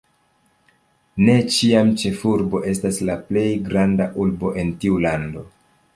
Ne ĉiam ĉefurbo estas la plej granda urbo en tiu lando.